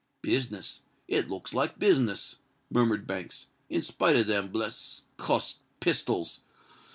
"Business—it looks like business," murmured Banks; "in spite of them bles——cussed pistols.